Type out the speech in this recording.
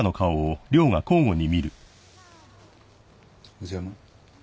お邪魔？